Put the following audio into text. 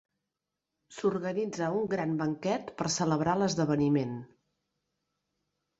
S'organitza un gran banquet per celebrar l'esdeveniment.